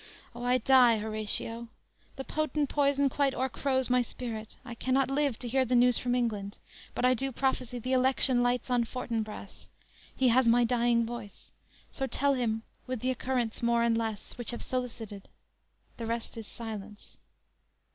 O, I die, Horatio; The potent poison quite o'ercrows my spirit, I cannot live to hear the news from England; But I do prophesy the election lights On Fortinbras; he has my dying voice; So tell him, with the occurrents, more and less, Which have solicited. The rest is silence!"